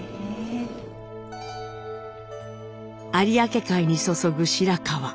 有明海に注ぐ白川。